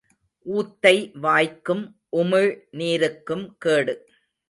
ஊத்தை வாய்க்கும் உமிழ் நீருக்கும் கேடு.